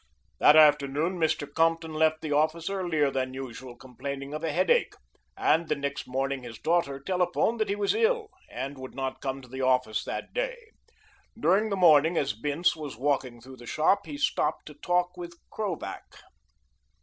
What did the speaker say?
That afternoon Mr. Compton left the office earlier than usual, complaining of a headache, and the next morning his daughter telephoned that he was ill and would not come to the office that day. During the morning as Bince was walking through the shop he stopped to talk with Krovac.